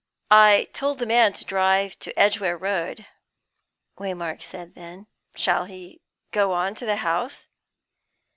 "I told the man to drive to Edgware Road," Waymark said then. "Shall he go on to the house?"